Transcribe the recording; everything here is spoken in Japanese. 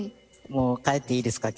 もう帰っていいですか？